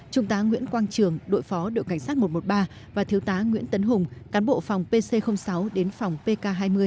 trung tá nguyễn quang trường đội phó đội cảnh sát một trăm một mươi ba và thiếu tá nguyễn tấn hùng cán bộ phòng pc sáu đến phòng pk hai mươi